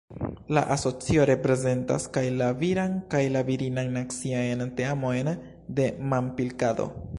La asocio reprezentas kaj la viran kaj la virinan naciajn teamojn de manpilkado.